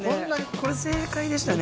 これ正解でしたね。